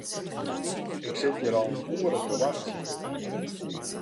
Ik sit hjir al in oere te wachtsjen.